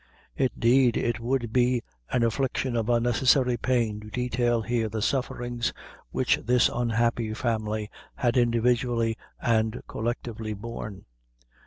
Indeed, it would be an infliction of unnecessary pain to detail here the sufferings which this unhappy family had individually and collectively borne.